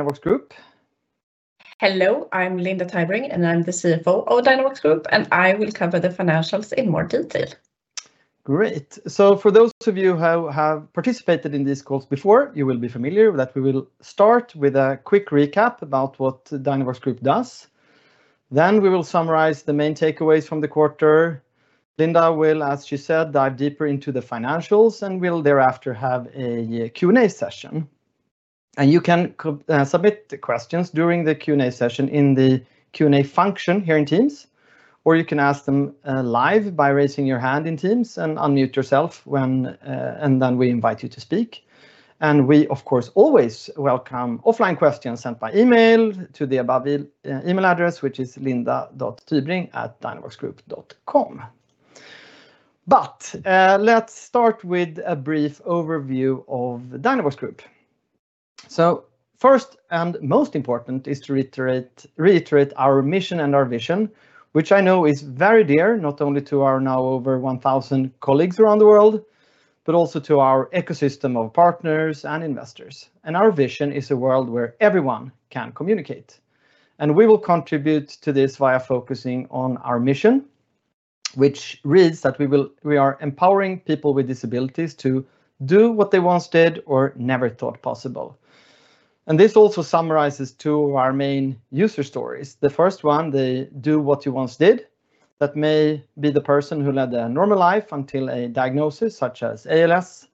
Dynavox Group. Hello, I'm Linda Tybring, and I'm the Chief Financial Officer of Dynavox Group, and I will cover the financials in more detail. Great. For those of you who have participated in these calls before, you will be familiar that we will start with a quick recap about what Dynavox Group does. We will summarize the main takeaways from the quarter. Linda will, as she said, dive deeper into the financials, and we'll thereafter have a Q&A session. You can submit the questions during the Q&A session in the Q&A function here in Teams, or you can ask them live by raising your hand in Teams and unmute yourself, and then we invite you to speak. We, of course, always welcome offline questions sent by email to the above email address, which is linda.tybring@dynavoxgroup.com. Let's start with a brief overview of Dynavox Group. First and most important is to reiterate our mission and our vision, which I know is very dear, not only to our now over 1,000 colleagues around the world, but also to our ecosystem of partners and investors. Our vision is a world where everyone can communicate. We will contribute to this via focusing on our mission, which reads that we are empowering people with disabilities to do what they once did or never thought possible. This also summarizes two of our main user stories. The first one, the do what you once did. That may be the person who led a normal life until a diagnosis such as ALS,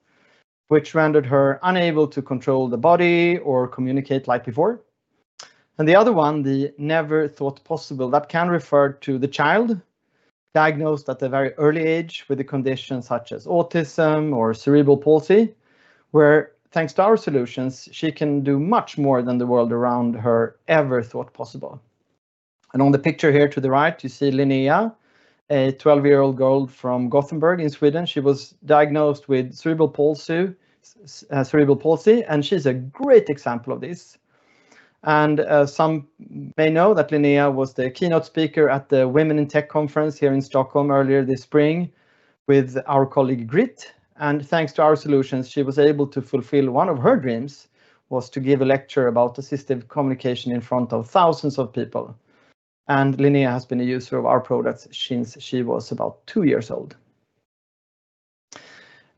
which rendered her unable to control the body or communicate like before. The other one, the never thought possible, that can refer to the child diagnosed at a very early age with a condition such as autism or cerebral palsy, where, thanks to our solutions, she can do much more than the world around her ever thought possible. On the picture here to the right, you see Linnea, a 12-year-old girl from Gothenburg in Sweden. She was diagnosed with cerebral palsy, and she's a great example of this. Some may know that Linnea was the keynote speaker at the Women in Tech Conference here in Stockholm earlier this spring with our colleague, Grit, thanks to our solutions, she was able to fulfill one of her dreams, was to give a lecture about assistive communication in front of thousands of people. Linnea has been a user of our products since she was about two years old.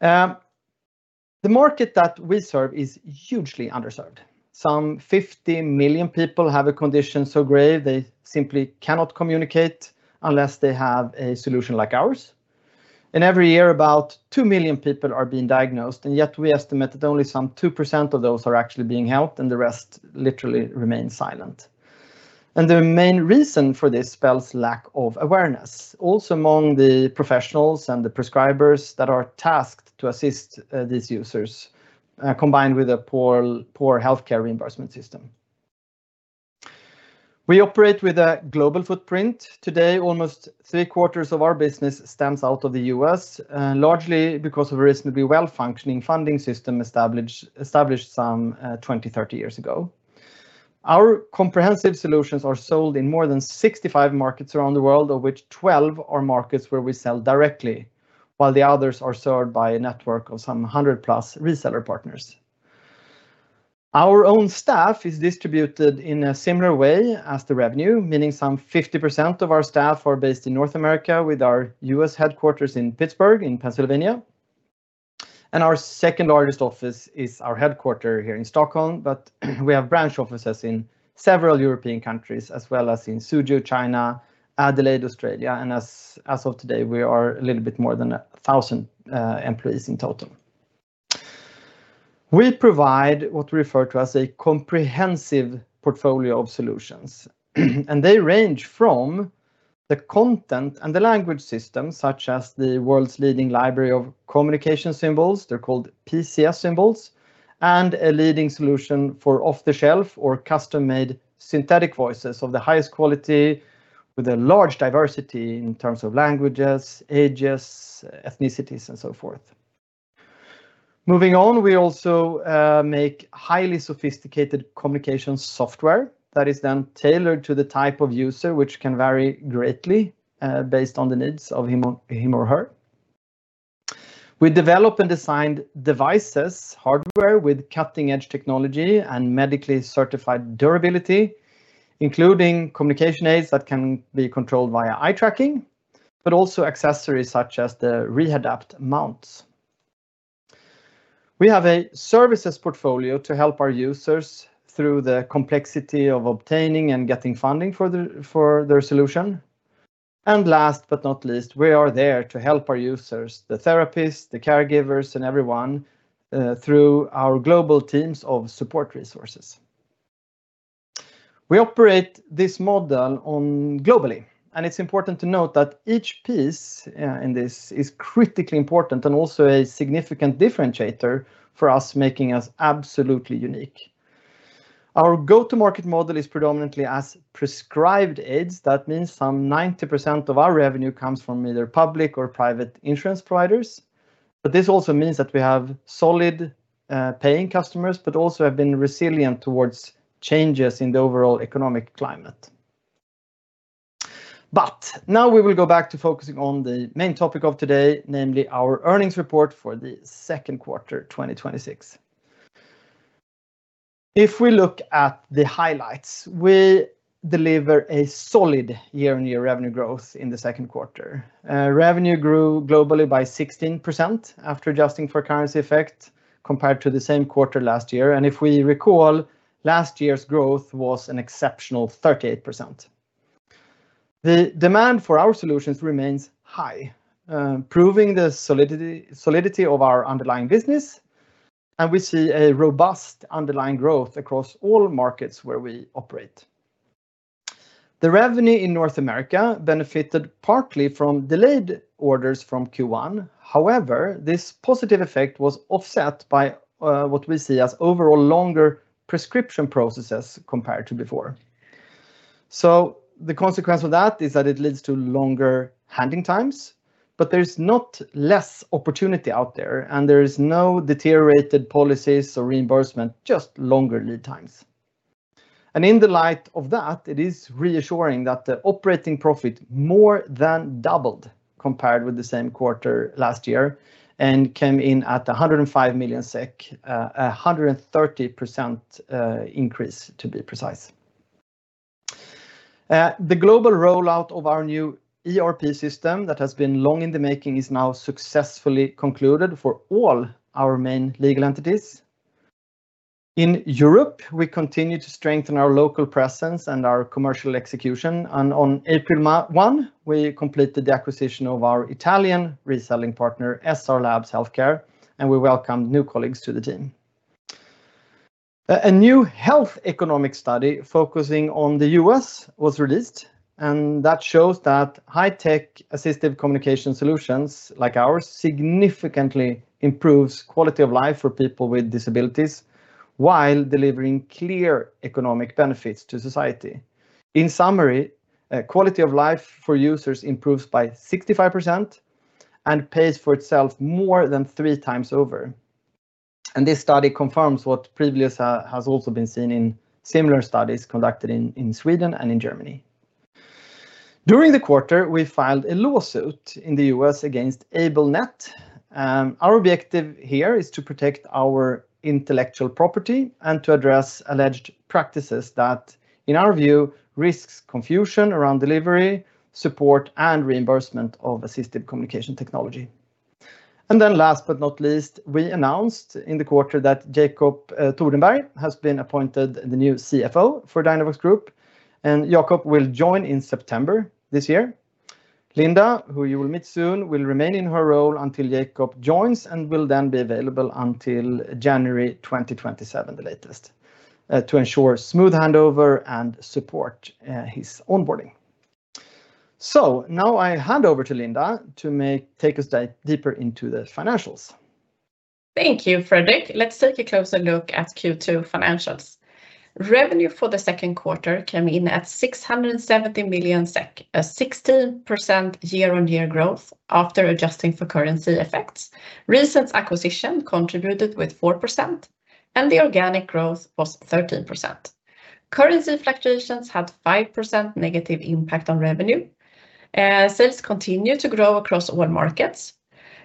The market that we serve is hugely underserved. Some 50 million people have a condition so grave they simply cannot communicate unless they have a solution like ours. Every year, about two million people are being diagnosed, yet we estimate that only some 2% of those are actually being helped, and the rest literally remain silent. The main reason for this spells lack of awareness, also among the professionals and the prescribers that are tasked to assist these users, combined with a poor healthcare reimbursement system. We operate with a global footprint. Today, almost three quarters of our business stems out of the U.S., largely because of a reasonably well-functioning funding system established some 20 years, 30 years ago. Our comprehensive solutions are sold in more than 65 markets around the world, of which 12 are markets where we sell directly, while the others are served by a network of some 100 plus reseller partners. Our own staff is distributed in a similar way as the revenue, meaning some 50% of our staff are based in North America with our U.S. headquarters in Pittsburgh, in Pennsylvania. Our second-largest office is our headquarter here in Stockholm, but we have branch offices in several European countries as well as in Suzhou, China, Adelaide, Australia, and as of today, we are a little bit more than 1,000 employees in total. We provide what we refer to as a comprehensive portfolio of solutions. They range from the content and the language system, such as the world's leading library of communication symbols, they're called PCS symbols, and a leading solution for off-the-shelf or custom-made synthetic voices of the highest quality with a large diversity in terms of languages, ages, ethnicities, and so forth. Moving on, we also make highly sophisticated communication software that is then tailored to the type of user which can vary greatly based on the needs of him or her. We develop and designed devices, hardware with cutting-edge technology and medically certified durability, including communication aids that can be controlled via eye tracking, also accessories such as the Rehadapt mounts. We have a services portfolio to help our users through the complexity of obtaining and getting funding for their solution. Last but not least, we are there to help our users, the therapists, the caregivers, and everyone, through our global teams of support resources. We operate this model globally, and it is important to note that each piece in this is critically important and also a significant differentiator for us, making us absolutely unique. Our go-to-market model is predominantly as prescribed aids. That means some 90% of our revenue comes from either public or private insurance providers. This also means that we have solid paying customers, but also have been resilient towards changes in the overall economic climate. Now we will go back to focusing on the main topic of today, namely our earnings report for the second quarter 2026. If we look at the highlights, we deliver a solid year-on-year revenue growth in the second quarter. Revenue grew globally by 16% after adjusting for currency effect compared to the same quarter last year. If we recall, last year's growth was an exceptional 38%. The demand for our solutions remains high, proving the solidity of our underlying business, and we see a robust underlying growth across all markets where we operate. The revenue in North America benefited partly from delayed orders from Q1. However, this positive effect was offset by what we see as overall longer prescription processes compared to before. The consequence of that is that it leads to longer handing times, but there is not less opportunity out there, and there is no deteriorated policies or reimbursement, just longer lead times. In the light of that, it is reassuring that the operating profit more than doubled compared with the same quarter last year and came in at 105 million SEK, 130% increase, to be precise. The global rollout of our new ERP system that has been long in the making is now successfully concluded for all our main legal entities. In Europe, we continue to strengthen our local presence and our commercial execution, and on April 1, we completed the acquisition of our Italian reselling partner, SR Labs Healthcare, and we welcomed new colleagues to the team. A new health economic study focusing on the U.S. was released, and that shows that high-tech assistive communication solutions like ours significantly improves quality of life for people with disabilities while delivering clear economic benefits to society. In summary, quality of life for users improves by 65% and pays for itself more than 3x over. This study confirms what previously has also been seen in similar studies conducted in Sweden and in Germany. During the quarter, we filed a lawsuit in the U.S. against AbleNet. Our objective here is to protect our intellectual property and to address alleged practices that, in our view, risks confusion around delivery, support, and reimbursement of assistive communication technology. Last but not least, we announced in the quarter that Jacob Thordenberg has been appointed the new Chief Financial Officer for Dynavox Group, and Jacob will join in September this year. Linda, who you will meet soon, will remain in her role until Jacob joins and will then be available until January 2027, the latest, to ensure smooth handover and support his onboarding. Now I hand over to Linda to take us deeper into the financials. Thank you, Fredrik. Let's take a closer look at Q2 financials. Revenue for the second quarter came in at 670 million SEK, a 16% year-on-year growth after adjusting for currency effects. Recent acquisition contributed with 4%, and the organic growth was 13%. Currency fluctuations had -5% impact on revenue. Sales continue to grow across all markets.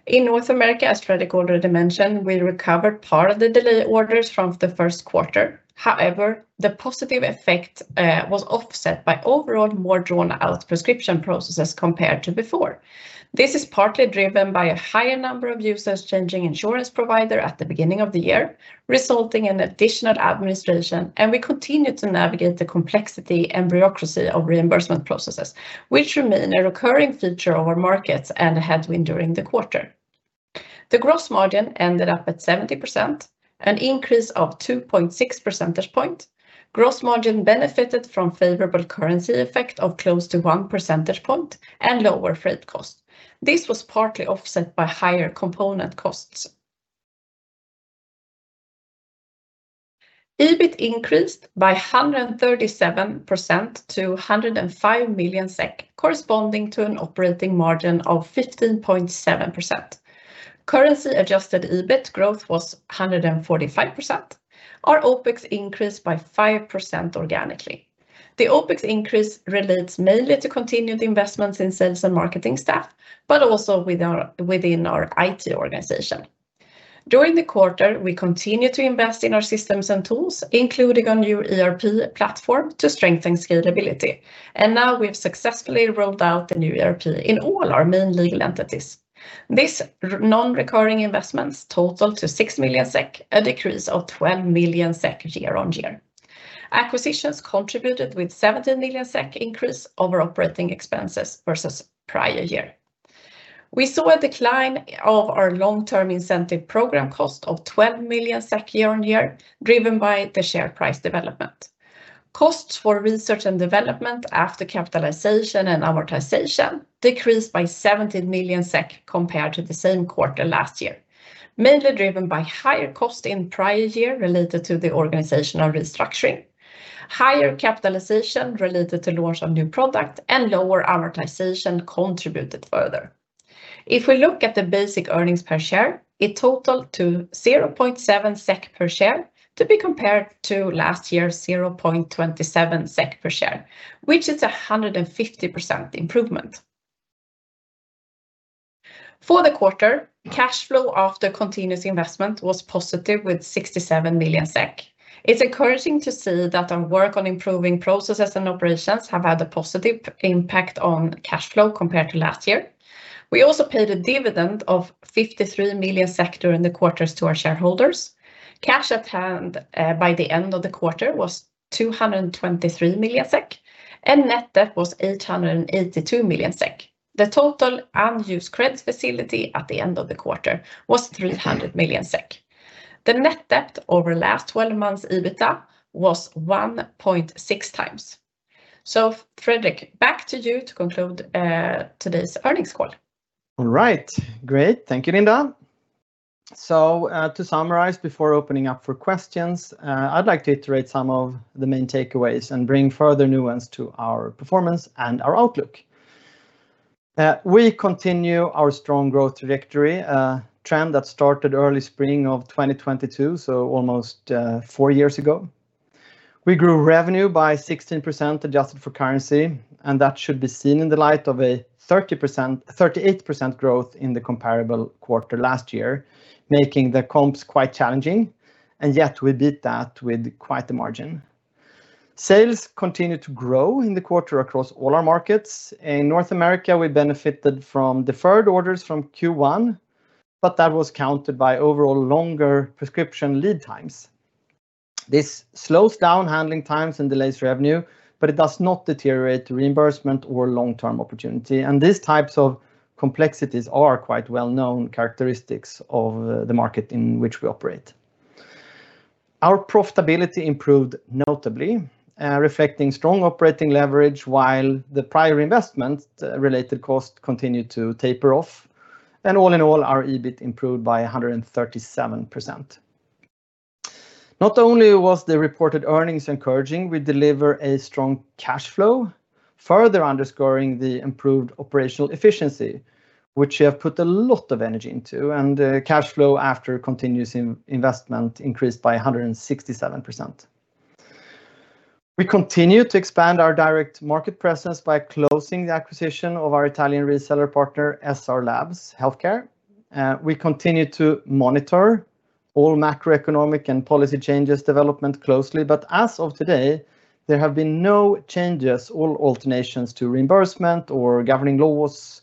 In North America, as Fredrik already mentioned, we recovered part of the delayed orders from the first quarter. The positive effect was offset by overall more drawn-out prescription processes compared to before. This is partly driven by a higher number of users changing insurance provider at the beginning of the year, resulting in additional administration. We continue to navigate the complexity and bureaucracy of reimbursement processes, which remain a recurring feature of our markets and a headwind during the quarter. The gross margin ended up at 70%, an increase of 2.6 percentage point. Gross margin benefited from favorable currency effect of close to 1 percentage point and lower freight cost. This was partly offset by higher component costs. EBIT increased by 137% to 105 million SEK, corresponding to an operating margin of 15.7%. Currency adjusted EBIT growth was 145%. Our OpEx increased by 5% organically. The OpEx increase relates mainly to continued investments in sales and marketing staff, but also within our IT organization. During the quarter, we continued to invest in our systems and tools, including our new ERP platform to strengthen scalability. Now we've successfully rolled out the new ERP in all our main legal entities. These non-recurring investments total to 6 million SEK, a decrease of 12 million SEK year-on-year. Acquisitions contributed with 17 million SEK increase over operating expenses versus prior year. We saw a decline of our long-term incentive program cost of 12 million SEK year-on-year, driven by the share price development. Costs for research and development after capitalization and amortization decreased by 17 million SEK compared to the same quarter last year, mainly driven by higher cost in prior year related to the organizational restructuring. Higher capitalization related to launch of new product and lower amortization contributed further. We look at the basic earnings per share, it totaled to 0.7 SEK per share to be compared to last year's 0.27 SEK per share, which is 150% improvement. For the quarter, cash flow after continuous investment was positive with 67 million SEK. It's encouraging to see that our work on improving processes and operations have had a positive impact on cash flow compared to last year. We also paid a dividend of 53 million during the quarters to our shareholders. Cash at hand by the end of the quarter was 223 million SEK and net debt was 882 million SEK. The total unused credit facility at the end of the quarter was 300 million SEK. The net debt over last 12 months EBITDA was 1.6x. Fredrik, back to you to conclude today's earnings call. All right. Great. Thank you, Linda. To summarize before opening up for questions, I'd like to iterate some of the main takeaways and bring further nuance to our performance and our outlook. We continue our strong growth trajectory, a trend that started early spring of 2022, almost four years ago. We grew revenue by 16% adjusted for currency, and that should be seen in the light of a 38% growth in the comparable quarter last year, making the comps quite challenging, and yet we beat that with quite the margin. Sales continued to grow in the quarter across all our markets. In North America, we benefited from deferred orders from Q1, but that was countered by overall longer prescription lead times. This slows down handling times and delays revenue, but it does not deteriorate reimbursement or long-term opportunity. These types of complexities are quite well-known characteristics of the market in which we operate. Our profitability improved notably, reflecting strong operating leverage while the prior investment related cost continued to taper off. All in all, our EBIT improved by 137%. Not only was the reported earnings encouraging, we deliver a strong cash flow, further underscoring the improved operational efficiency, which we have put a lot of energy into, and cash flow after continuous investment increased by 167%. We continue to expand our direct market presence by closing the acquisition of our Italian reseller partner, SR Labs Healthcare. We continue to monitor all macroeconomic and policy changes development closely. As of today, there have been no changes or alternations to reimbursement or governing laws,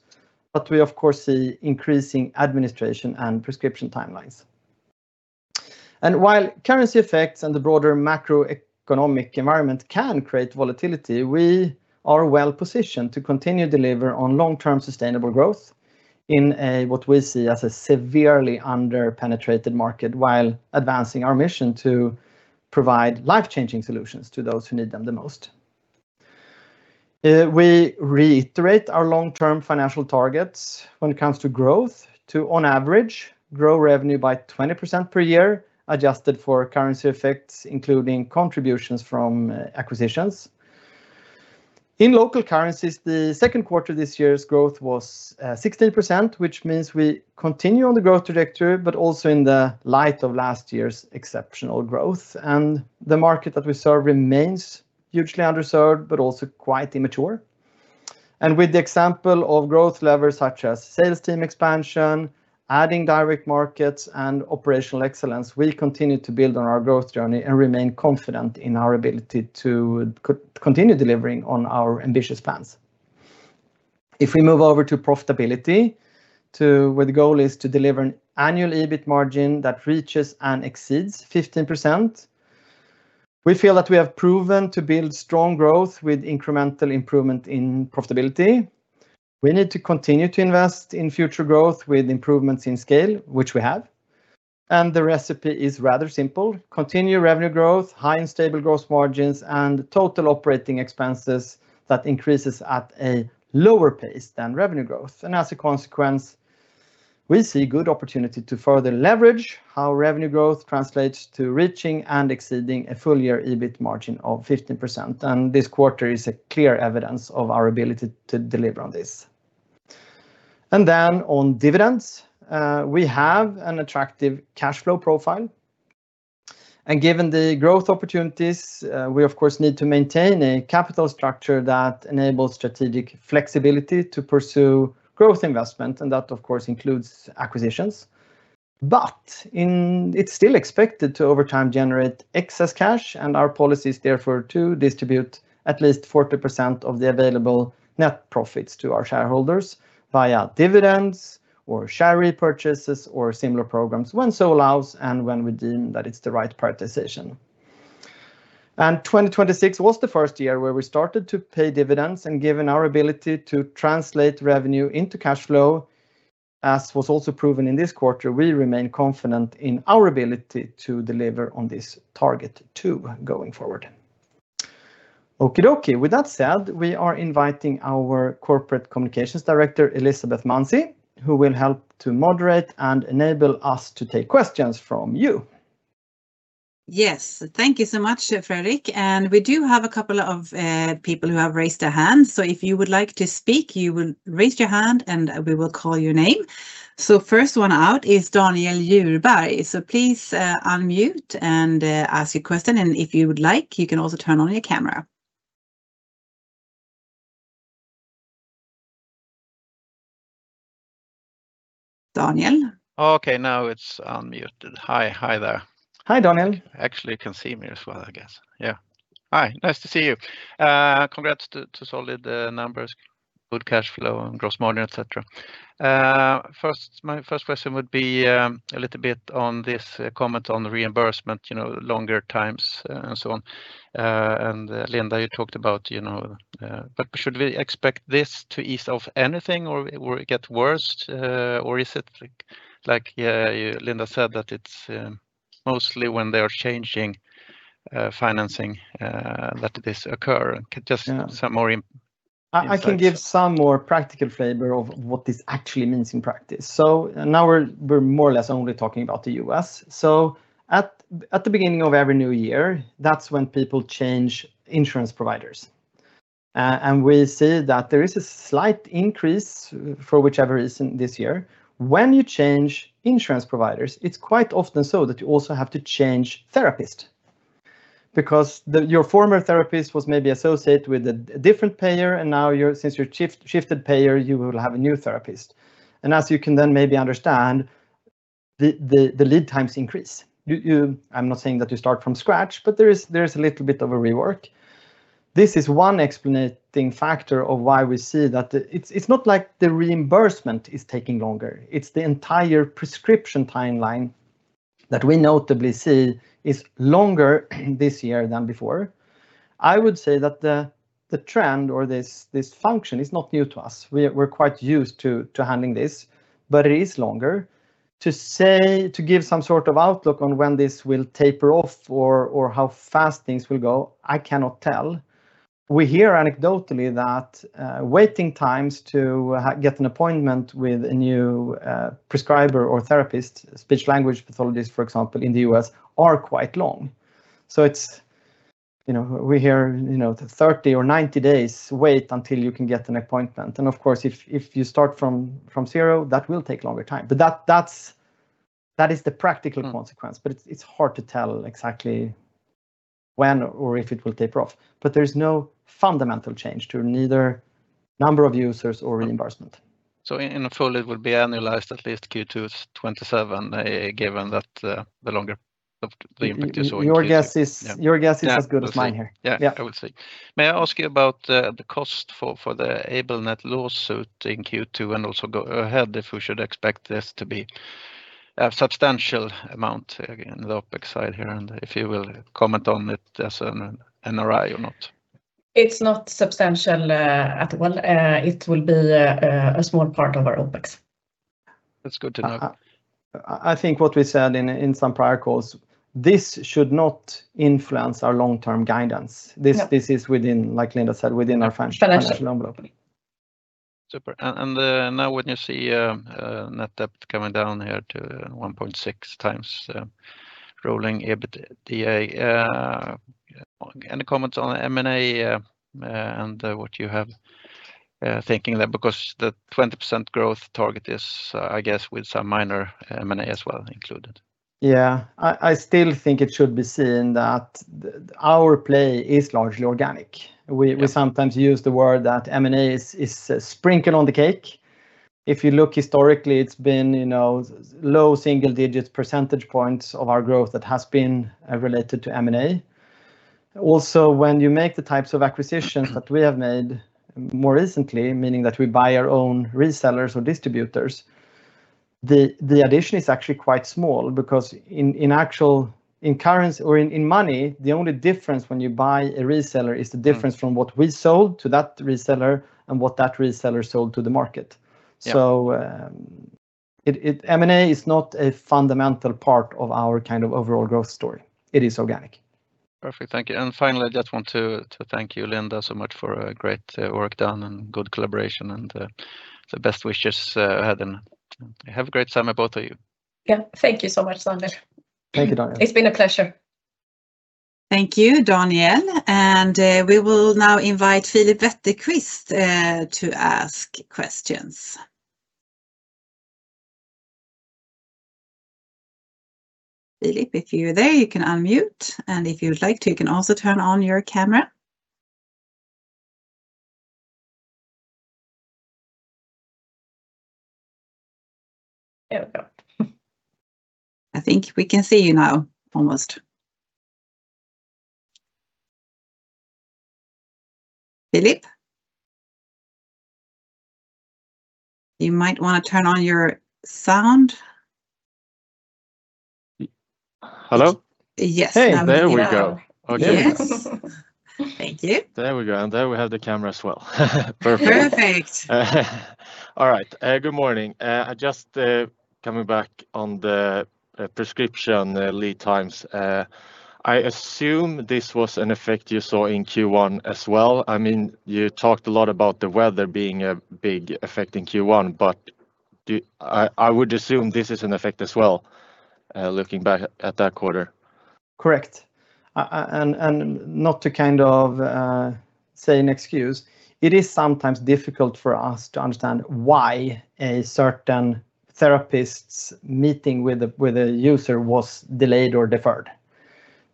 but we of course see increasing administration and prescription timelines. While currency effects and the broader macroeconomic environment can create volatility, we are well positioned to continue deliver on long-term sustainable growth in what we see as a severely under-penetrated market while advancing our mission to provide life-changing solutions to those who need them the most. We reiterate our long-term financial targets when it comes to growth to, on average, grow revenue by 20% per year, adjusted for currency effects, including contributions from acquisitions. In local currencies, the second quarter this year's growth was 16%, which means we continue on the growth trajectory, but also in the light of last year's exceptional growth. The market that we serve remains hugely underserved, but also quite immature. With the example of growth levers, such as sales team expansion, adding direct markets, and operational excellence, we continue to build on our growth journey and remain confident in our ability to continue delivering on our ambitious plans. We move over to profitability, where the goal is to deliver an annual EBIT margin that reaches and exceeds 15%. We feel that we have proven to build strong growth with incremental improvement in profitability. We need to continue to invest in future growth with improvements in scale, which we have. The recipe is rather simple. Continue revenue growth, high and stable growth margins, and total operating expenses that increases at a lower pace than revenue growth. As a consequence, we see good opportunity to further leverage how revenue growth translates to reaching and exceeding a full year EBIT margin of 15%. This quarter is a clear evidence of our ability to deliver on this. On dividends, we have an attractive cash flow profile. Given the growth opportunities, we of course, need to maintain a capital structure that enables strategic flexibility to pursue growth investment, and that of course includes acquisitions. It's still expected to over time generate excess cash and our policy is therefore to distribute at least 40% of the available net profits to our shareholders via dividends or share repurchases or similar programs when so allows and when we deem that it's the right participation. 2026 was the first year where we started to pay dividends. Given our ability to translate revenue into cash flow, as was also proven in this quarter, we remain confident in our ability to deliver on this target too going forward. Okey-dokey. With that said, we are inviting our Corporate Communications Director, Elisabeth Manzi, who will help to moderate and enable us to take questions from you. Yes. Thank you so much, Fredrik. We do have a couple of people who have raised their hands. If you would like to speak, you will raise your hand, and we will call your name. First one out is Daniel Djurberg. Please unmute and ask your question. If you would like, you can also turn on your camera. Daniel? Okay, now it's unmuted. Hi there. Hi, Daniel. Actually, you can see me as well, I guess. Yeah. Hi, nice to see you. Congrats to solid numbers, good cash flow, and gross margin, et cetera. My first question would be a little bit on this comment on the reimbursement, longer times and so on. Linda, you talked about, but should we expect this to ease off anything or get worse? Is it like Linda said that it's mostly when they are changing financing that this occur and just some more insights. I can give some more practical flavor of what this actually means in practice. Now we're more or less only talking about the U.S. At the beginning of every new year, that's when people change insurance providers. We see that there is a slight increase for whichever reason this year. When you change insurance providers, it's quite often so that you also have to change therapist because your former therapist was maybe associated with a different payer, and now since you shifted payer, you will have a new therapist. As you can then maybe understand, the lead times increase. I'm not saying that you start from scratch, but there is a little bit of a rework. This is one explanatory factor of why we see that it's not like the reimbursement is taking longer. It's the entire prescription timeline that we notably see is longer this year than before. I would say that the trend or this function is not new to us. We're quite used to handling this, but it is longer. To give some sort of outlook on when this will taper off or how fast things will go, I cannot tell. We hear anecdotally that waiting times to get an appointment with a new prescriber or therapist, speech language pathologist, for example, in the U.S., are quite long. We hear 30 days or 90 days wait until you can get an appointment. Of course, if you start from zero, that will take longer time. That is the practical consequence. It's hard to tell exactly when or if it will taper off. There's no fundamental change to neither number of users or reimbursement. In total, it will be annualized at least Q2 2027 given that the longer the impact you saw in Q3. Your guess is as good as mine here. Yeah. I would say. May I ask you about the cost for the AbleNet lawsuit in Q2 and also go ahead if we should expect this to be a substantial amount in the OpEx side here, and if you will comment on it as an NRI or not? It's not substantial at all. It will be a small part of our OpEx. That's good to know. I think what we said in some prior calls, this should not influence our long-term guidance. Yeah. This is within, like Linda said, within our financial envelope. Financial. Super. Now when you see net debt coming down here to 1.6x rolling EBITDA, any comments on M&A and what you have thinking there? Because the 20% growth target is, I guess with some minor M&A as well included. Yeah. I still think it should be seen that our play is largely organic. We sometimes use the word that M&A is sprinkle on the cake. If you look historically, it's been low single-digit percentage points of our growth that has been related to M&A. Also, when you make the types of acquisitions that we have made more recently, meaning that we buy our own resellers or distributors, the addition is actually quite small because in currency or in money, the only difference when you buy a reseller is the difference from what we sold to that reseller and what that reseller sold to the market. Yeah. M&A is not a fundamental part of our overall growth story. It is organic. Perfect. Thank you. Finally, I just want to thank you, Linda, so much for a great work done and good collaboration and the best wishes ahead and have a great summer, both of you. Yeah. Thank you so much, Daniel. Thank you, Daniel. It's been a pleasure. Thank you, Daniel. We will now invite Philip Wetterquist to ask questions. Philip, if you're there, you can unmute. If you would like to, you can also turn on your camera. There we go. I think we can see you now almost. Philip? You might want to turn on your sound. Hello? Yes. Now we hear. Hey, there we go. Okay. Yes. Thank you. There we go. There we have the camera as well. Perfect. Perfect. All right. Good morning. Just coming back on the prescription lead times. I assume this was an effect you saw in Q1 as well. You talked a lot about the weather being a big effect in Q1, I would assume this is an effect as well, looking back at that quarter. Correct. Not to say an excuse, it is sometimes difficult for us to understand why a certain therapist's meeting with a user was delayed or deferred,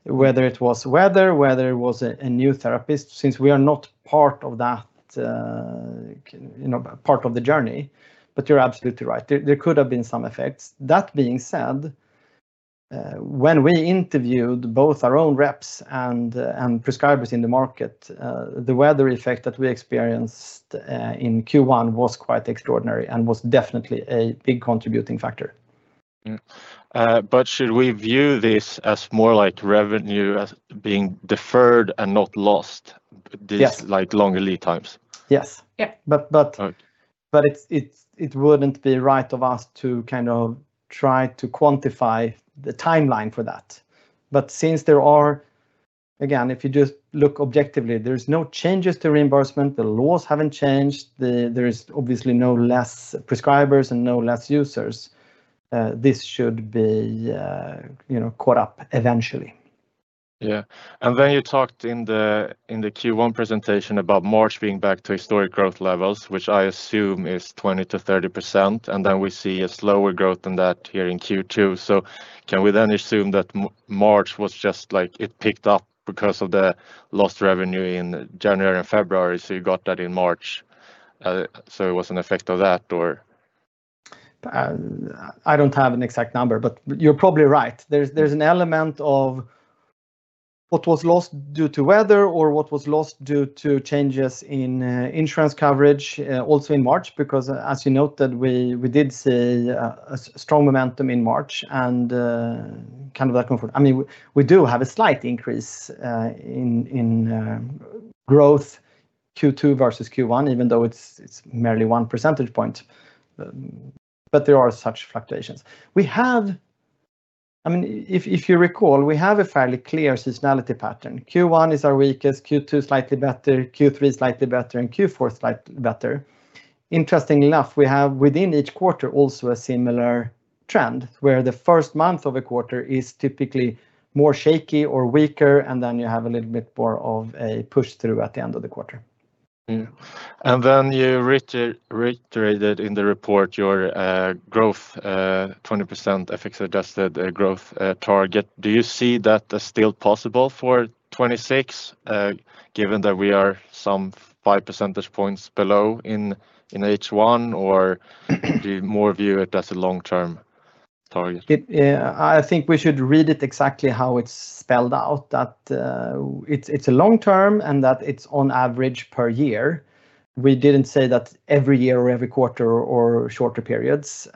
whether it was weather, whether it was a new therapist, since we are not part of the journey. You're absolutely right. There could have been some effects. That being said, when we interviewed both our own reps and prescribers in the market, the weather effect that we experienced in Q1 was quite extraordinary and was definitely a big contributing factor. Should we view this as more like revenue as being deferred and not lost Yes These longer lead times? Yes. Yeah. It wouldn't be right of us to try to quantify the timeline for that. Again, if you just look objectively, there's no changes to reimbursement. The laws haven't changed. There is obviously no less prescribers and no less users. This should be caught up eventually. Yeah. You talked in the Q1 presentation about March being back to historic growth levels, which I assume is 20%-30%, and then we see a slower growth than that here in Q2. Can we then assume that March was just like, it picked up because of the lost revenue in January and February, you got that in March? It was an effect of that? I don't have an exact number, but you're probably right. There's an element of what was lost due to weather or what was lost due to changes in insurance coverage also in March, because as you noted, we did see a strong momentum in March and that comfort. We do have a slight increase in growth Q2 versus Q1, even though it's merely one percentage point. There are such fluctuations. If you recall, we have a fairly clear seasonality pattern. Q1 is our weakest, Q2 slightly better, Q3 slightly better, and Q4 slightly better. Interestingly enough, we have within each quarter also a similar trend, where the first month of a quarter is typically more shaky or weaker, and then you have a little bit more of a push through at the end of the quarter. Yeah. You reiterated in the report your growth, 20% FX-adjusted growth target. Do you see that as still possible for 2026, given that we are some 5 percentage points below in H1, or do you more view it as a long-term target? I think we should read it exactly how it's spelled out, that it's long-term and that it's on average per year. We didn't say that every year or every quarter or shorter periods.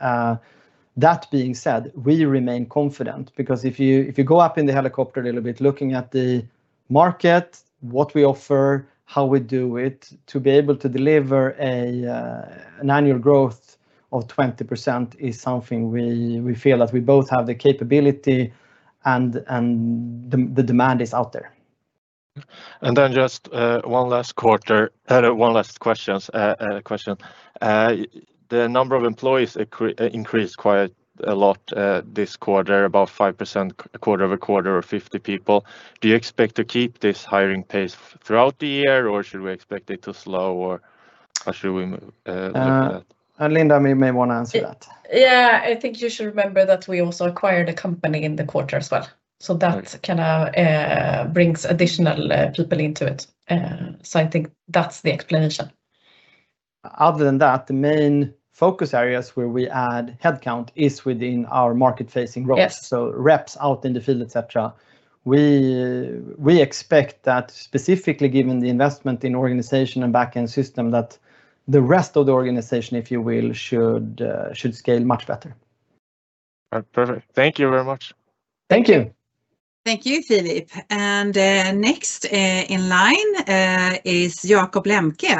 That being said, we remain confident because if you go up in the helicopter a little bit, looking at the market, what we offer, how we do it, to be able to deliver an annual growth of 20% is something we feel that we both have the capability and the demand is out there. Just one last question. The number of employees increased quite a lot this quarter, about 5% quarter-over-quarter or 50 people. Do you expect to keep this hiring pace throughout the year, or should we expect it to slow, or how should we look at that? Linda may want to answer that. Yeah. I think you should remember that we also acquired a company in the quarter as well. That kind of brings additional people into it. I think that's the explanation. Other than that, the main focus areas where we add headcount is within our market-facing roles. Yes. Reps out in the field, et cetera. We expect that specifically given the investment in organization and back-end system, that the rest of the organization, if you will, should scale much better. Perfect. Thank you very much. Thank you. Thank you, Philip. Next in line is Jakob Lembke.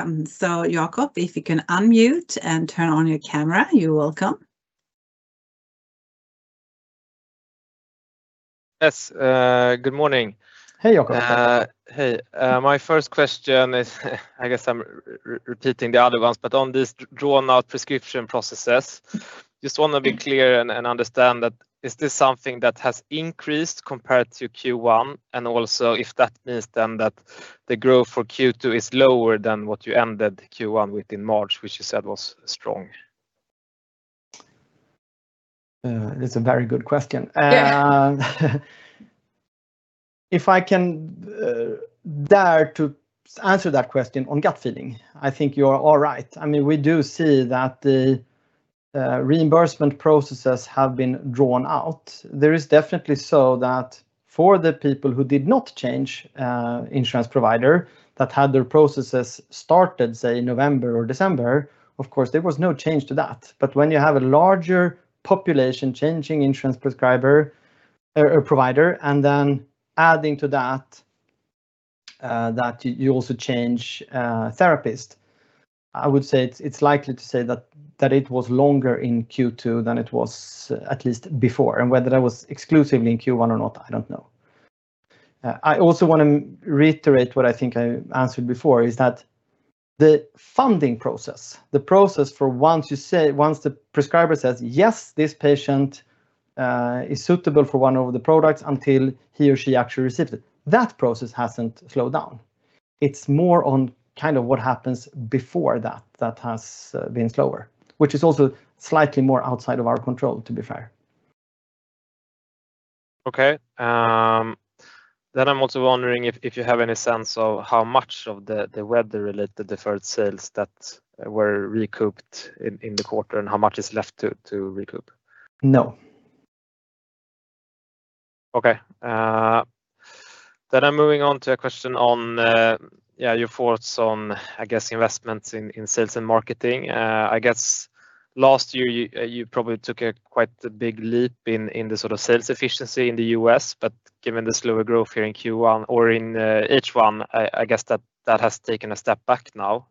Jakob, if you can unmute and turn on your camera, you're welcome. Yes. Good morning. Hey, Jakob. Hey. My first question is, I guess I'm repeating the other ones, but on these drawn-out prescription processes, just want to be clear and understand that is this something that has increased compared to Q1? Also if that means then that the growth for Q2 is lower than what you ended Q1 with in March, which you said was strong. That's a very good question. If I can dare to answer that question on gut feeling, I think you are all right. We do see that the reimbursement processes have been drawn out. There is definitely so that for the people who did not change insurance provider that had their processes started, say, in November or December, of course, there was no change to that. When you have a larger population changing insurance provider, and then adding to that you also change therapist, I would say it's likely to say that it was longer in Q2 than it was at least before. Whether that was exclusively in Q1 or not, I don't know. I also want to reiterate what I think I answered before, is that the funding process, the process for once the prescriber says, "Yes, this patient is suitable for one of the products," until he or she actually receives it, that process hasn't slowed down. It's more on what happens before that that has been slower, which is also slightly more outside of our control, to be fair. Okay. I'm also wondering if you have any sense of how much of the weather-related deferred sales that were recouped in the quarter and how much is left to recoup? No. Okay. I'm moving on to a question on your thoughts on, I guess, investments in sales and marketing. I guess last year you probably took a quite big leap in the sort of sales efficiency in the U.S., but given the slower growth here in Q1 or in H1, I guess that has taken a step back now.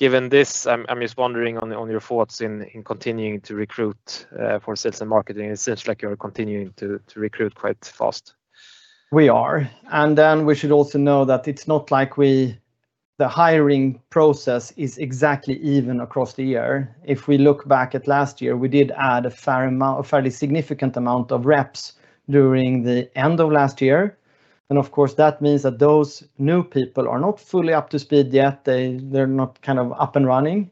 Given this, I'm just wondering on your thoughts in continuing to recruit for sales and marketing. It seems like you're continuing to recruit quite fast. We are. We should also know that it's not like the hiring process is exactly even across the year. If we look back at last year, we did add a fairly significant amount of reps during the end of last year. Of course, that means that those new people are not fully up to speed yet. They're not up and running,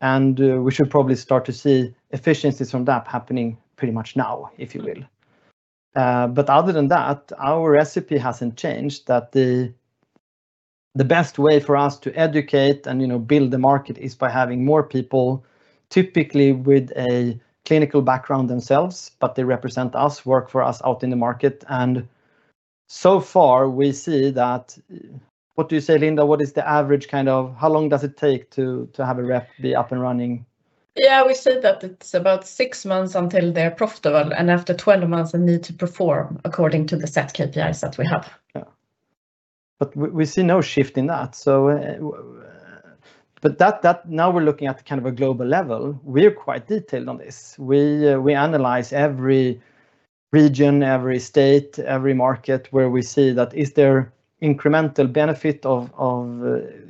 and we should probably start to see efficiencies from that happening pretty much now, if you will. Other than that, our recipe hasn't changed that the best way for us to educate and build the market is by having more people, typically with a clinical background themselves, but they represent us, work for us out in the market. So far, we see that What do you say, Linda? What is the average kind of, how long does it take to have a rep be up and running? Yeah, we say that it's about six months until they're profitable, and after 12 months, they need to perform according to the set KPIs that we have. Yeah. We see no shift in that. Now we're looking at kind of a global level. We're quite detailed on this. We analyze every region, every state, every market, where we see that is there incremental benefit of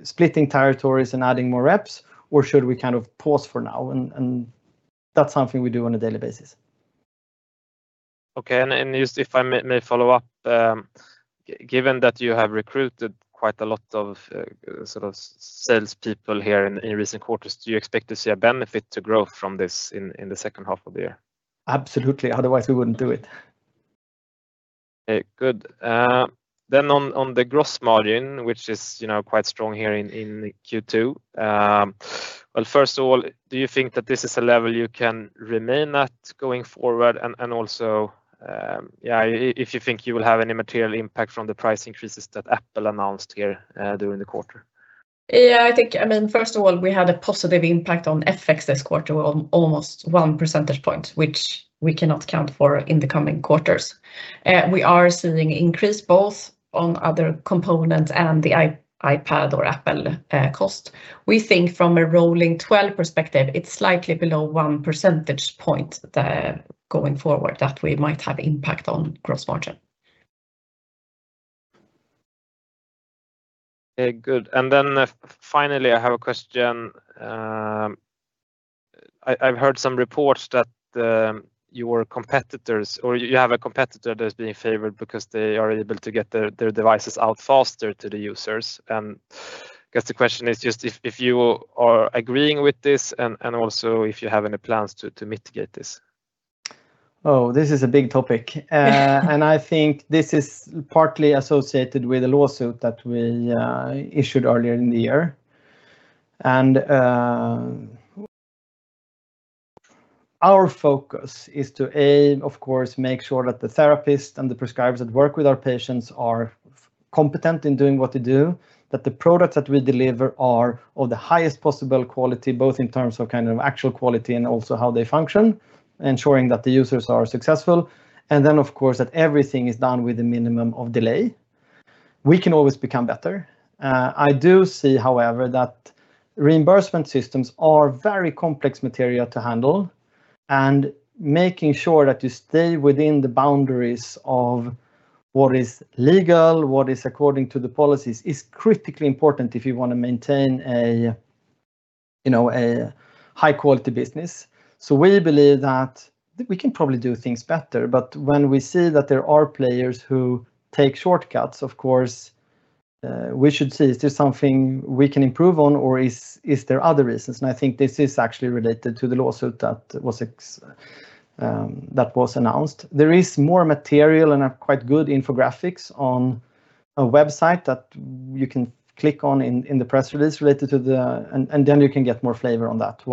splitting territories and adding more reps, or should we kind of pause for now? That's something we do on a daily basis. Okay. Just if I may follow up, given that you have recruited quite a lot of sales people here in recent quarters, do you expect to see a benefit to growth from this in the second half of the year? Absolutely. Otherwise, we wouldn't do it. Good. On the gross margin, which is quite strong here in Q2. Well, first of all, do you think that this is a level you can remain at going forward? Also, if you think you will have any material impact from the price increases that Apple announced here during the quarter? Yeah, I think, first of all, we had a positive impact on FX this quarter on almost one percentage point, which we cannot account for in the coming quarters. We are seeing increase both on other components and the iPad or Apple cost. We think from a rolling 12 perspective, it's slightly below one percentage point going forward that we might have impact on gross margin. Good. Finally, I have a question. I've heard some reports that your competitors, or you have a competitor that's being favored because they are able to get their devices out faster to the users. I guess the question is just if you are agreeing with this and also if you have any plans to mitigate this. Oh, this is a big topic. I think this is partly associated with a lawsuit that we issued earlier in the year. Our focus is to, A, of course, make sure that the therapist and the prescribers that work with our patients are competent in doing what they do, that the products that we deliver are of the highest possible quality, both in terms of actual quality and also how they function, ensuring that the users are successful. Of course, that everything is done with a minimum of delay. We can always become better. I do see, however, that reimbursement systems are very complex material to handle, and making sure that you stay within the boundaries of what is legal, what is according to the policies, is critically important if you want to maintain a high-quality business. We believe that we can probably do things better, but when we see that there are players who take shortcuts, of course, we should see, is this something we can improve on or is there other reasons? I think this is actually related to the lawsuit that was announced. There is more material and quite good infographics on a website that you can click on in the press release related to the. Then you can get more flavor on that,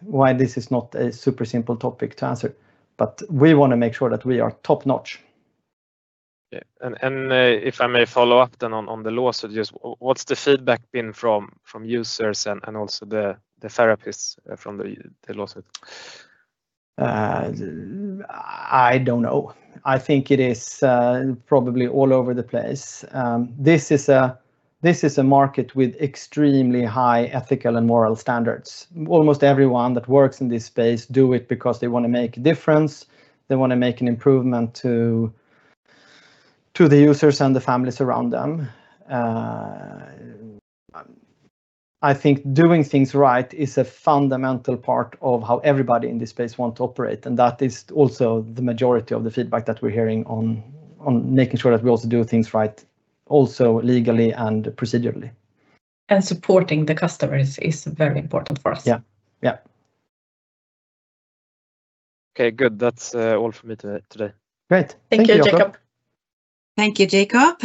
why this is not a super simple topic to answer. We want to make sure that we are top-notch. Yeah. If I may follow up then on the lawsuit, just what's the feedback been from users and also the therapists from the lawsuit? I don't know. I think it is probably all over the place. This is a market with extremely high ethical and moral standards. Almost everyone that works in this space does it because they want to make a difference. They want to make an improvement to the users and the families around them. I think doing things right is a fundamental part of how everybody in this space wants to operate, and that is also the majority of the feedback that we're hearing on making sure that we also do things right, also legally and procedurally. Supporting the customers is very important for us. Yeah. Okay, good. That is all from me today. Great. Thank you, Jakob. Thank you, Jakob.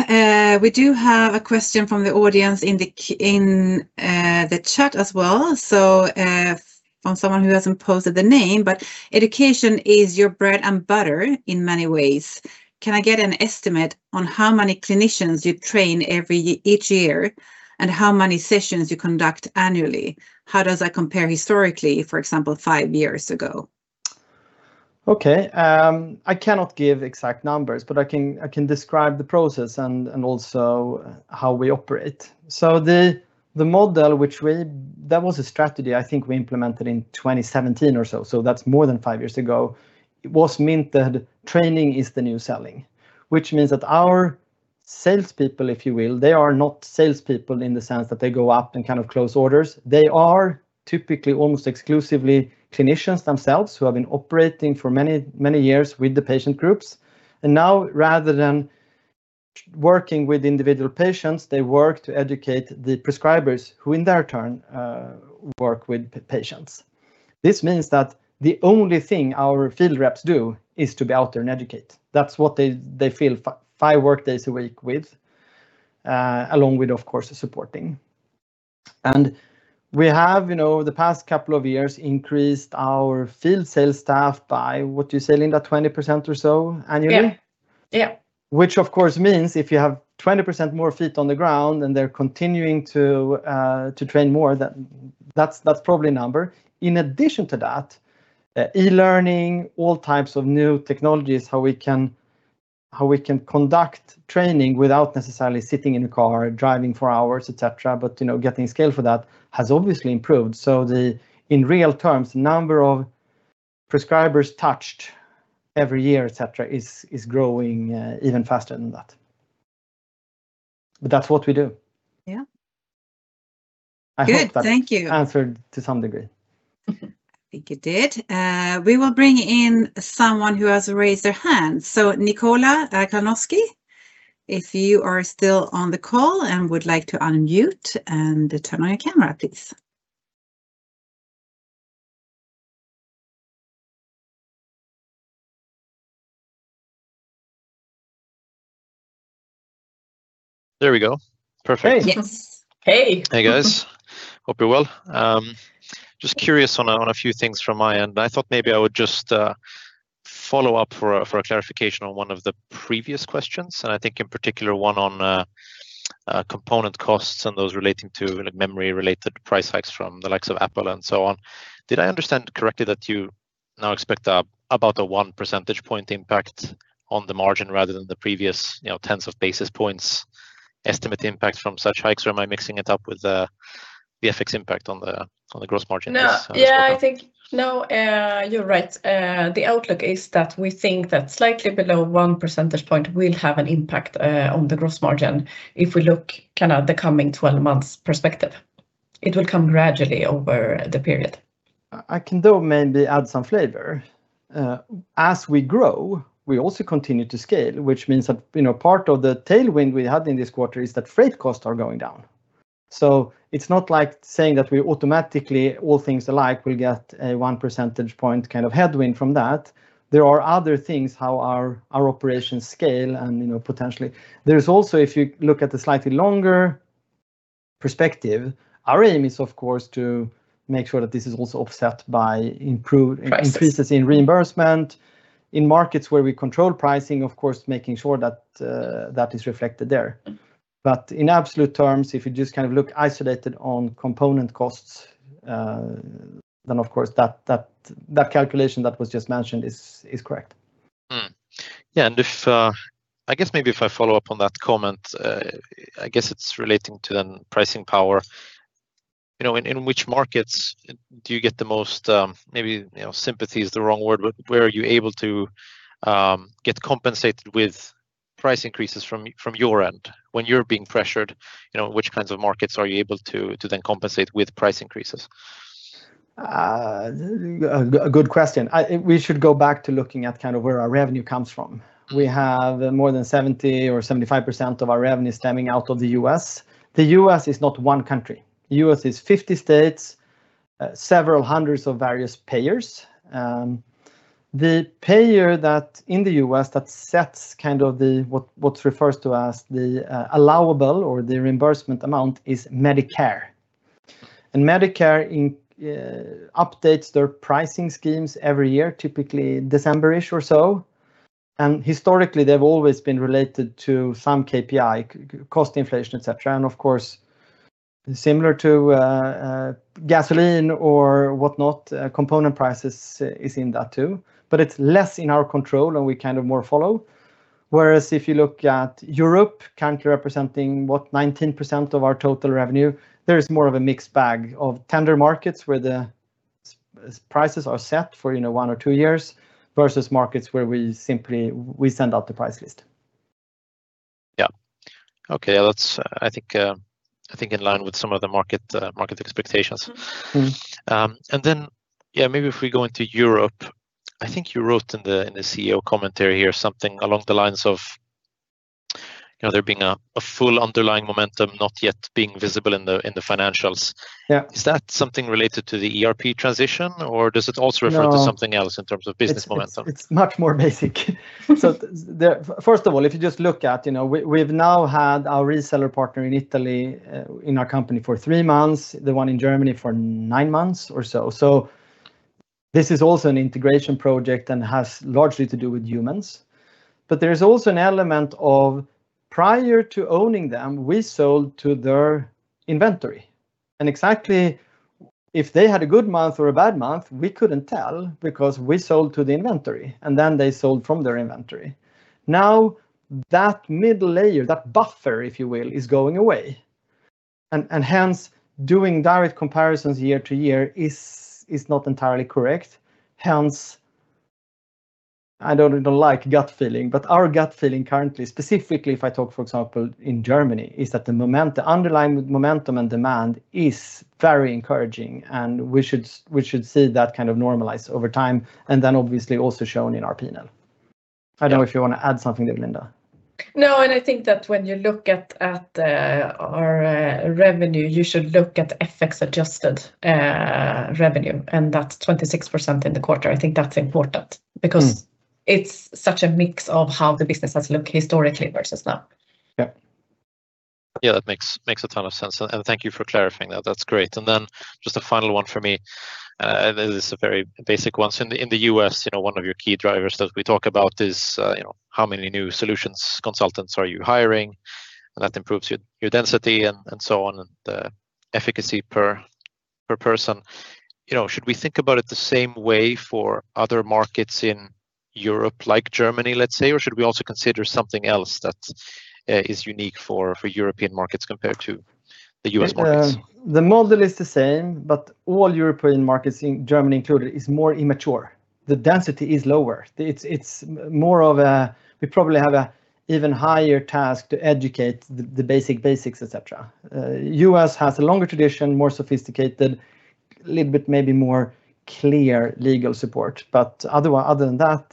We do have a question from the audience in the chat as well, from someone who has not posted their name. "Education is your bread and butter in many ways. Can I get an estimate on how many clinicians you train each year, and how many sessions you conduct annually? How does that compare historically, for example, five years ago? Okay. I cannot give exact numbers, but I can describe the process and also how we operate. The model, which was a strategy I think we implemented in 2017 or so, that is more than five years ago. It was meant that training is the new selling, which means that our salespeople, if you will, they are not salespeople in the sense that they go out and close orders. They are typically almost exclusively clinicians themselves who have been operating for many, many years with the patient groups. Now, rather than working with individual patients, they work to educate the prescribers who in turn, work with patients. This means that the only thing our field reps do is to be out there and educate. That is what they fill five workdays a week with, along with, of course, the supporting. We have, over the past couple of years, increased our field sales staff by, what would you say, Linda, 20% or so annually? Yeah. Which of course means if you have 20% more feet on the ground and they're continuing to train more, that's probably a number. In addition to that, e-learning, all types of new technologies, how we can conduct training without necessarily sitting in a car, driving for hours, et cetera. Getting scale for that has obviously improved. In real terms, the number of prescribers touched every year, et cetera, is growing even faster than that. That's what we do. Yeah. Good. Thank you. I hope that answered to some degree. I think it did. We will bring in someone who has raised their hand. So Nikola Kalanoski, if you are still on the call and would like to unmute and turn on your camera, please. There we go. Perfect. Hey. Yes. Hey. Hey, guys. Hope you're well. Just curious on a few things from my end. I thought maybe I would just follow up for a clarification on one of the previous questions, and I think in particular one on component costs and those relating to memory-related price hikes from the likes of Apple and so on. Did I understand correctly that you now expect about a one percentage point impact on the margin rather than the previous tens of basis points estimate impact from such hikes, or am I mixing it up with the FX impact on the gross margin? No, you're right. The outlook is that we think that slightly below one percentage point will have an impact on the gross margin if we look at the coming 12 months perspective. It will come gradually over the period. I can though maybe add some flavor. As we grow, we also continue to scale, which means that part of the tailwind we had in this quarter is that freight costs are going down. It's not like saying that we automatically, all things alike, will get a one percentage point kind of headwind from that. There are other things, how our operations scale and potentially. There's also, if you look at the slightly longer perspective, our aim is of course, to make sure that this is also offset by increases in reimbursement in markets where we control pricing, of course, making sure that is reflected there. In absolute terms, if you just look isolated on component costs, then of course, that calculation that was just mentioned is correct. Hmm. Yeah, I guess maybe if I follow up on that comment, I guess it's relating to then pricing power. In which markets do you get the most, maybe sympathy is the wrong word, but where are you able to get compensated with price increases from your end? When you're being pressured, which kinds of markets are you able to then compensate with price increases? A good question. We should go back to looking at where our revenue comes from. We have more than 70% or 75% of our revenue stemming out of the U.S. The U.S. is not one country. U.S. is 50 states, several hundreds of various payers. The payer in the U.S. that sets what refers to as the allowable or the reimbursement amount is Medicare. Medicare updates their pricing schemes every year, typically December-ish or so. Historically, they've always been related to some KPI, cost inflation, et cetera. Similar to gasoline or whatnot, component prices is in that too, but it's less in our control, and we more follow. Whereas if you look at Europe, currently representing, what, 19% of our total revenue, there is more of a mixed bag of tender markets where the prices are set for one or two years, versus markets where we simply send out the price list. Yeah. Okay. That's, I think, in line with some of the market expectations. Maybe if we go into Europe, I think you wrote in the Chief Executive Officer commentary here something along the lines of there being a full underlying momentum, not yet being visible in the financials. Yeah. Is that something related to the ERP transition, or does it also refer- No To something else in terms of business momentum? It's much more basic. First of all, if you just look at, we've now had our reseller partner in Italy in our company for three months, the one in Germany for nine months or so. This is also an integration project and has largely to do with humans. There's also an element of, prior to owning them, we sold to their inventory. Exactly if they had a good month or a bad month, we couldn't tell because we sold to the inventory, and then they sold from their inventory. Now, that middle layer, that buffer, if you will, is going away. Hence, doing direct comparisons year-over-year is not entirely correct. Hence, I don't like gut feeling, our gut feeling currently, specifically if I talk, for example, in Germany, is that the underlying momentum and demand is very encouraging, and we should see that kind of normalize over time, and then obviously also shown in our P&L. I don't know if you want to add something there, Linda. No, I think that when you look at our revenue, you should look at FX-adjusted revenue, and that's 26% in the quarter. I think that's important because it's such a mix of how the business has looked historically versus now. Yep. That makes a ton of sense. Thank you for clarifying that. That's great. Then just a final one for me, and this is a very basic one. In the U.S., one of your key drivers that we talk about is how many new solutions consultants are you hiring, and that improves your density and so on, and the efficacy per person. Should we think about it the same way for other markets in Europe, like Germany, let's say, or should we also consider something else that is unique for European markets compared to the U.S. markets? All European markets in Germany included is more immature. The density is lower. We probably have an even higher task to educate the basics, et cetera. U.S. has a longer tradition, more sophisticated, little bit maybe more clear legal support. Other than that,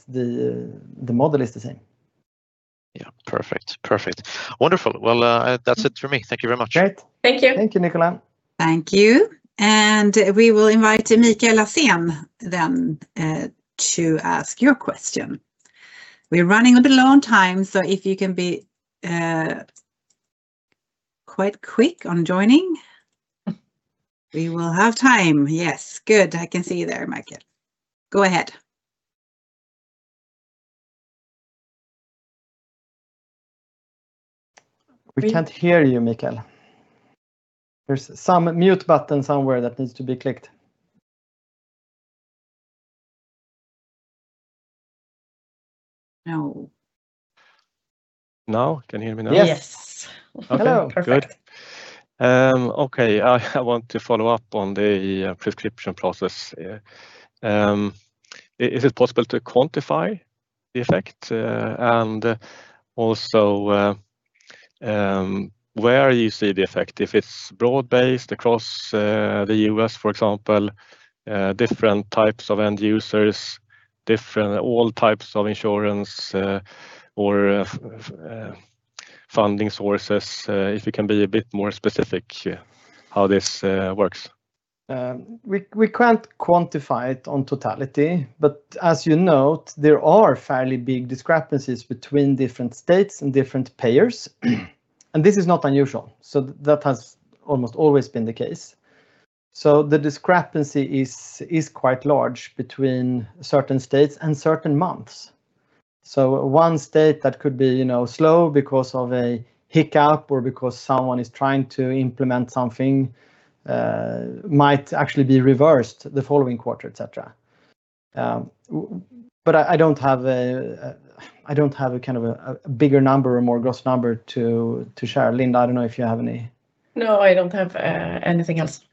the model is the same. Yeah. Perfect. Wonderful. Well, that's it for me. Thank you very much. Great. Thank you. Thank you, Nikola. Thank you. We will invite Mikael Laséen then to ask your question. We're running a bit low on time, so if you can be quite quick on joining, we will have time. Yes, good. I can see you there, Mikael. Go ahead. We can't hear you, Mikael. There's some mute button somewhere that needs to be clicked. No. Now? Can you hear me now? Yes. Yes. Hello. Okay, good. I want to follow up on the prescription process. Is it possible to quantify the effect? Where you see the effect, if it's broad based across the U.S., for example, different types of end users, all types of insurance, or funding sources, if you can be a bit more specific how this works. As you note, there are fairly big discrepancies between different states and different payers. This is not unusual. That has almost always been the case. The discrepancy is quite large between certain states and certain months. One state that could be slow because of a hiccup or because someone is trying to implement something might actually be reversed the following quarter, et cetera. I don't have a kind of a bigger number or more gross number to share. Linda, I don't know if you have any. No, I don't have anything else.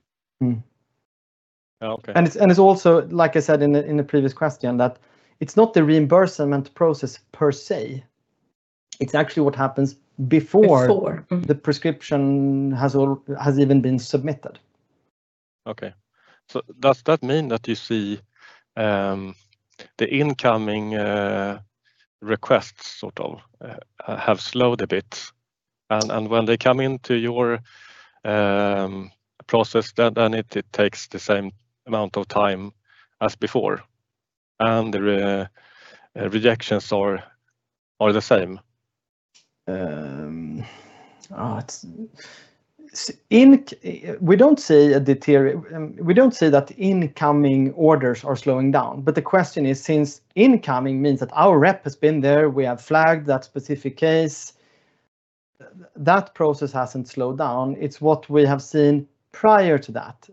Okay. It's also, like I said in the previous question, that it's not the reimbursement process per se. It's actually what happens before. Before The prescription has even been submitted. Okay. Does that mean that you see the incoming requests sort of have slowed a bit? When they come into your process, it takes the same amount of time as before, and the rejections are the same? We don't see that incoming orders are slowing down. The question is, since incoming means that our rep has been there, we have flagged that specific case. That process hasn't slowed down. It's what we have seen prior to that.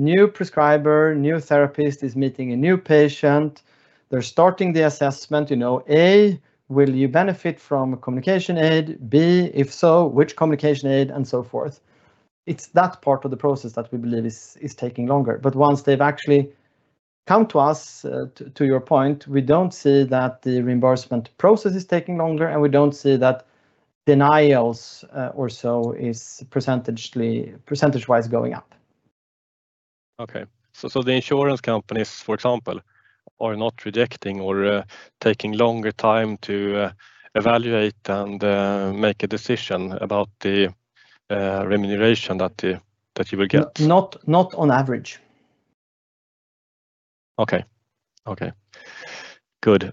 New prescriber, new therapist is meeting a new patient. They're starting the assessment, A, will you benefit from a communication aid? B, if so, which communication aid and so forth. It's that part of the process that we believe is taking longer. Once they've actually come to us, to your point, we don't see that the reimbursement process is taking longer, and we don't see that denials or so is percentage-wise going up. Okay. The insurance companies, for example, are not rejecting or taking longer time to evaluate and make a decision about the remuneration that you will get. Not on average. Okay. Good.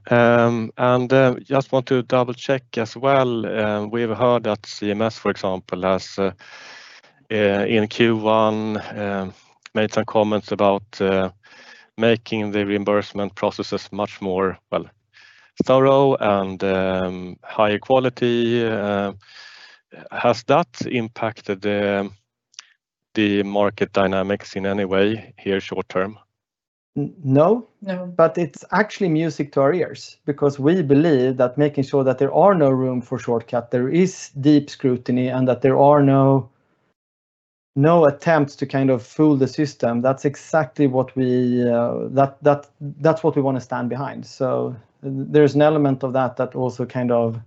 Just want to double-check as well. We've heard that CMS, for example, has, in Q1, made some comments about making the reimbursement processes much more thorough and higher quality. Has that impacted the market dynamics in any way here short term? No. It's actually music to our ears because we believe that making sure that there are no room for shortcut, there is deep scrutiny, and that there are no attempts to kind of fool the system. That's exactly what we want to stand behind. There's an element of that also kind of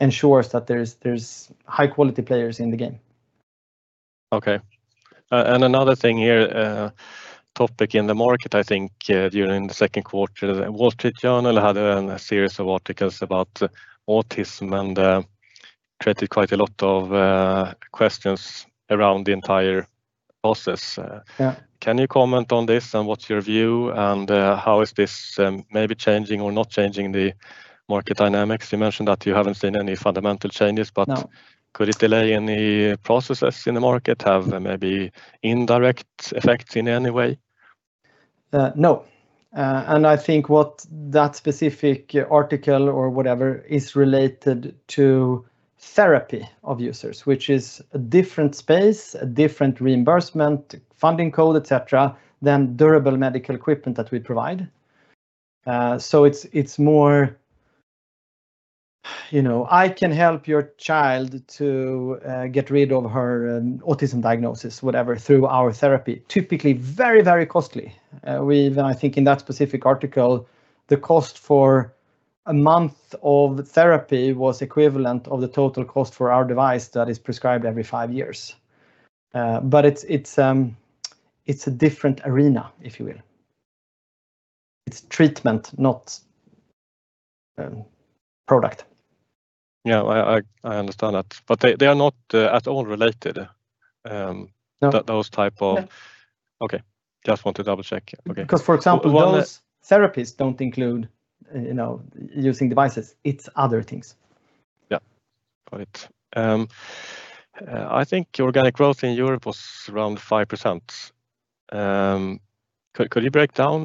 ensures that there's high-quality players in the game. Okay. Another thing here, topic in the market, I think, during the second quarter, The Wall Street Journal had a series of articles about autism and created quite a lot of questions around the entire process. Yeah. Can you comment on this, and what's your view, and how is this maybe changing or not changing the market dynamics? You mentioned that you haven't seen any fundamental changes. No Could it delay any processes in the market, have maybe indirect effects in any way? No. I think what that specific article or whatever is related to therapy of users, which is a different space, a different reimbursement, funding code, et cetera, than durable medical equipment that we provide. It's more, "I can help your child to get rid of her autism diagnosis," whatever, "through our therapy." Typically very costly. I think in that specific article, the cost for a month of therapy was equivalent of the total cost for our device that is prescribed every five years. It's a different arena, if you will. It's treatment, not product. Yeah, I understand that. They are not at all related. No those type of. No. Okay. Just want to double-check. Okay. For example, those therapies don't include using devices. It's other things. Yeah. Got it. I think your organic growth in Europe was around 5%. Could you break down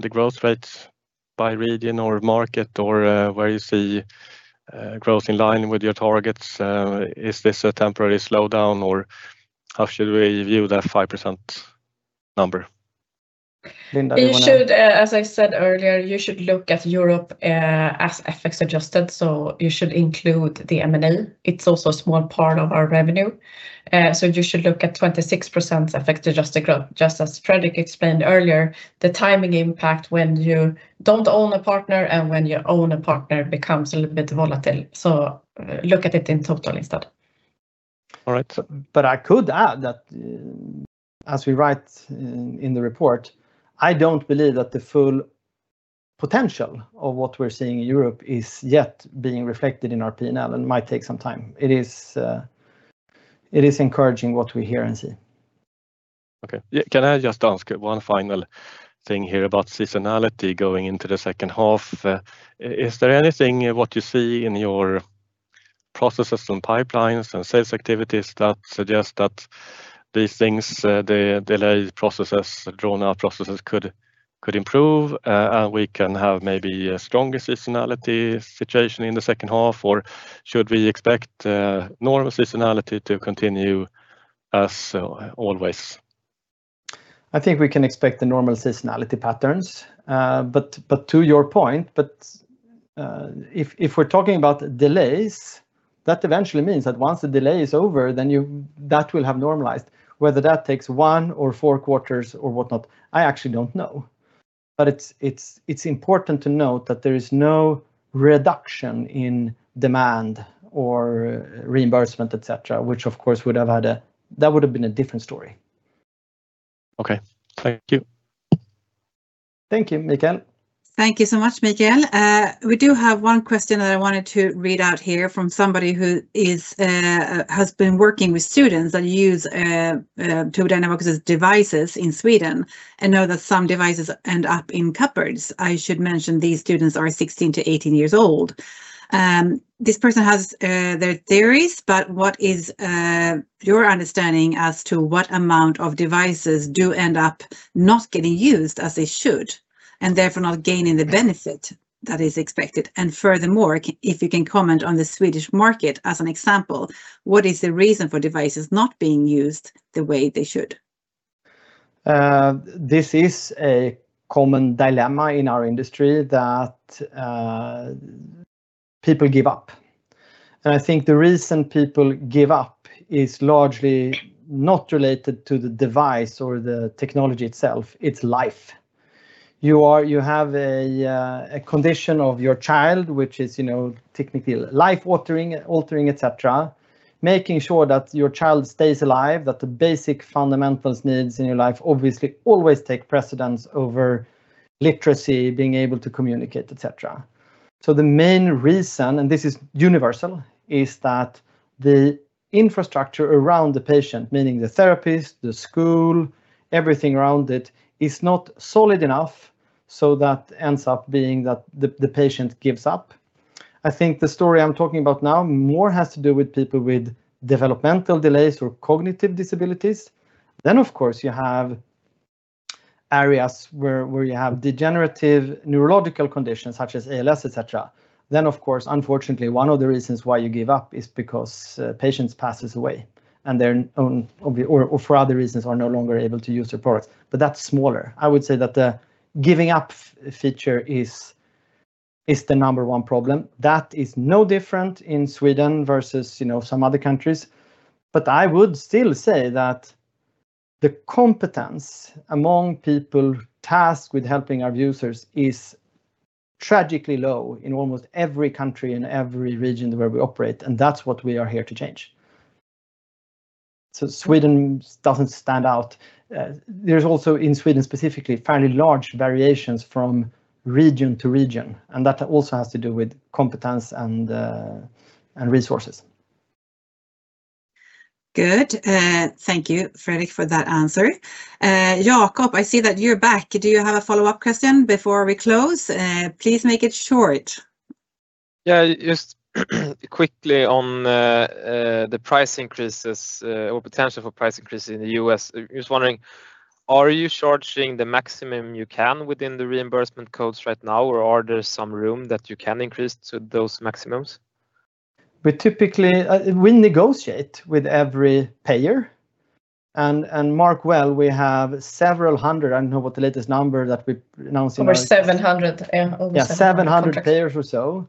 the growth rates by region or market or where you see growth in line with your targets? Is this a temporary slowdown, or how should we view that 5% number? Linda, do you want to? As I said earlier, you should look at Europe as FX-adjusted, so you should include the M&A. It's also a small part of our revenue. You should look at 26% FX-adjusted growth. Just as Fredrik explained earlier, the timing impact when you don't own a partner and when you own a partner becomes a little bit volatile. Look at it in total instead. All right. I could add that as we write in the report, I don't believe that the full potential of what we're seeing in Europe is yet being reflected in our P&L and might take some time. It is encouraging what we hear and see. Okay. Can I just ask one final thing here about seasonality going into the second half? Is there anything what you see in your processes and pipelines and sales activities that suggest that these things, the delayed processes, drawn-out processes could improve, and we can have maybe a stronger seasonality situation in the second half, or should we expect normal seasonality to continue as always? I think we can expect the normal seasonality patterns. To your point, if we're talking about delays, that eventually means that once the delay is over, then that will have normalized. Whether that takes one or four quarters or whatnot, I actually don't know. It's important to note that there is no reduction in demand or reimbursement, et cetera, which of course that would've been a different story. Okay. Thank you. Thank you, Mikael. Thank you so much, Mikael. We do have one question that I wanted to read out here from somebody who has been working with students that use Tobii Dynavox devices in Sweden and know that some devices end up in cupboards. I should mention these students are 16 years-18 years old. This person has their theories, but what is your understanding as to what amount of devices do end up not getting used as they should, and therefore not gaining the benefit that is expected? Furthermore, if you can comment on the Swedish market as an example, what is the reason for devices not being used the way they should? This is a common dilemma in our industry that people give up. I think the reason people give up is largely not related to the device or the technology itself, it's life. You have a condition of your child, which is technically life-altering, et cetera. Making sure that your child stays alive, that the basic fundamental needs in your life obviously always take precedence over literacy, being able to communicate, et cetera. The main reason, and this is universal, is that the infrastructure around the patient, meaning the therapist, the school, everything around it, is not solid enough so that ends up being that the patient gives up. I think the story I'm talking about now more has to do with people with developmental delays or cognitive disabilities. Of course, you have areas where you have degenerative neurological conditions such as ALS, et cetera. Of course, unfortunately, one of the reasons why you give up is because patients pass away, or for other reasons are no longer able to use the product. That's smaller. I would say that the giving up feature is the number one problem. That is no different in Sweden versus some other countries. I would still say that the competence among people tasked with helping our users is tragically low in almost every country in every region where we operate, and that's what we are here to change. Sweden doesn't stand out. There's also, in Sweden specifically, fairly large variations from region to region, and that also has to do with competence and resources. Good. Thank you, Fredrik, for that answer. Jakob, I see that you're back. Do you have a follow-up question before we close? Please make it short. Just quickly on the price increases, or potential for price increases in the U.S. Just wondering, are you charging the maximum you can within the reimbursement codes right now, or are there some room that you can increase to those maximums? We negotiate with every payer. Mark well, we have several hundred. I don't know what the latest number that we're announcing are. Over 700 payers. Yeah. Yeah. 700 payers or so.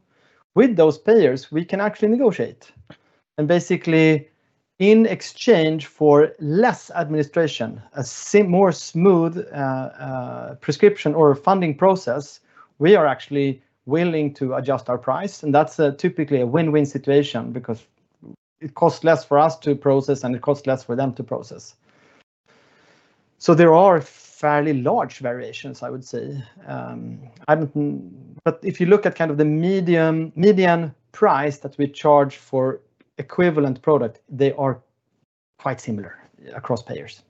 With those payers, we can actually negotiate. Basically, in exchange for less administration, a more smooth prescription or funding process, we are actually willing to adjust our price, and that's typically a win-win situation because it costs less for us to process, and it costs less for them to process. There are fairly large variations, I would say. If you look at kind of the median price that we charge for equivalent product, they are quite similar across payers.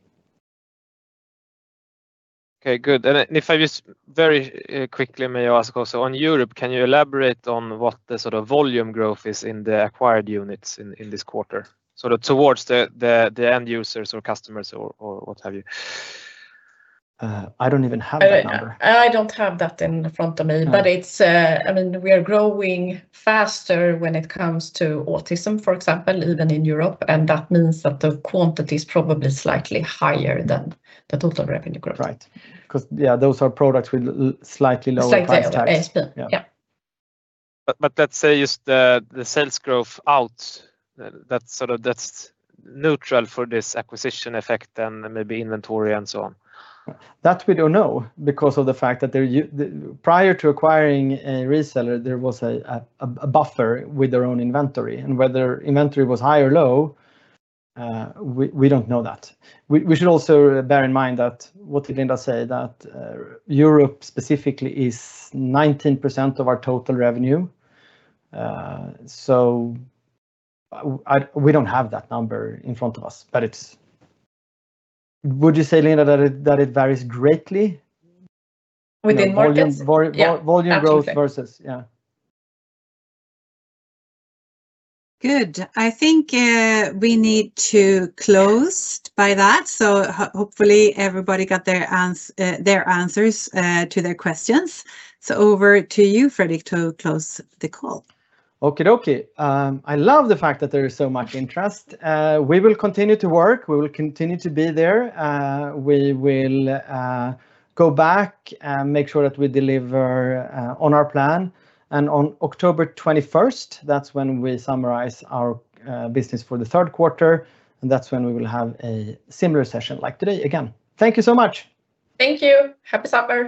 Okay, good. If I just very quickly may ask also on Europe, can you elaborate on what the sort of volume growth is in the acquired units in this quarter? Sort of towards the end users or customers or what have you. I don't even have that number. I don't have that in front of me. We are growing faster when it comes to autism, for example, even in Europe, that means that the quantity is probably slightly higher than the total revenue growth. Right. Yeah, those are products with slightly lower price tags. Slightly lower ASP. Yeah. Let's say just the sales growth out, that's neutral for this acquisition effect, maybe inventory and so on. We don't know because of the fact that prior to acquiring a reseller, there was a buffer with their own inventory. Whether inventory was high or low, we don't know that. We should also bear in mind that what did Linda say? That Europe specifically is 19% of our total revenue. We don't have that number in front of us. Would you say, Linda, that it varies greatly? Within markets? Volume growth versus Yeah. Good. I think we need to close by that. Hopefully everybody got their answers to their questions. Over to you, Fredrik, to close the call. Okie dokie. I love the fact that there is so much interest. We will continue to work. We will continue to be there. We will go back and make sure that we deliver on our plan. On October 21st, that's when we summarize our business for the third quarter, and that's when we will have a similar session like today again. Thank you so much. Thank you. Happy supper